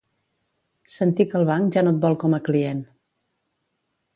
Sentir que el banc ja no et vol com a client.